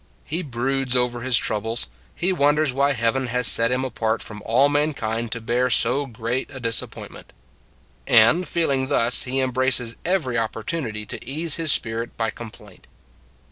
He broods over his troubles; he wonders why Heaven has set him apart from all mankind to bear so great a disap pointment. And, feeling thus, he em braces every opportunity to ease his spirit by complaint.